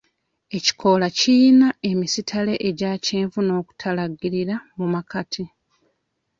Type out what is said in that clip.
Ekikoola kiyina emisittale egya kyenvu n'okutalaagirira mu makati.